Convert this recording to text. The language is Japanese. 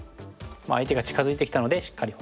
相手が近づいてきたのでしっかり補強しておく。